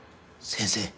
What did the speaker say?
先生